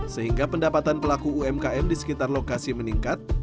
sehingga pendapatan pelaku umkm di sekitar lokasi meningkat